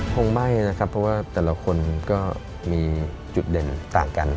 คงไม่นะครับเพราะว่าแต่ละคนก็มีจุดเด่นต่างกัน